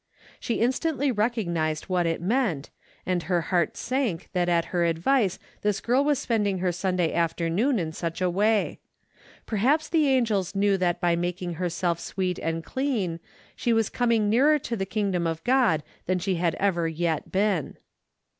She instantly recognized what it meant, and her heart sank that at her advice this girl was spending her Sunday af ternoon in such a way. Perhaps the angels knew that by making herself sweet and clean, she was coming nearer to the kingdom of God than she had ever yet been.